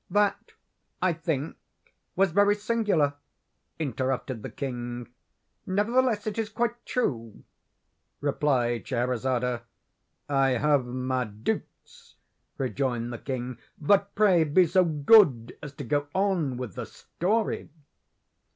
"That I think, was very singular," interrupted the king. "Nevertheless, it is quite true," replied Scheherazade. "I have my doubts," rejoined the king; "but, pray, be so good as to go on with the story."